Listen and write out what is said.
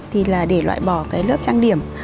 thì là để loại bỏ cái lớp trang điểm